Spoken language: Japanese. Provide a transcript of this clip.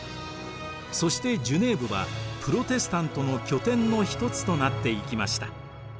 そしてジュネーヴはプロテスタントの拠点の一つとなっていきました。